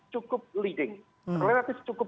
cukup leading relatif cukup